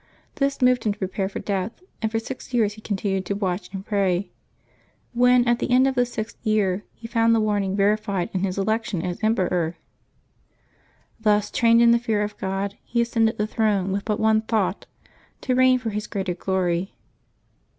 This moved him to prepare for death, and for six years he continued to watch and pray, when, at the end of the sixth year, he found the warning verified in his election as em peror. Thus trained in the fear of God, he ascended the throne with but one thought — to reign for His greater glory.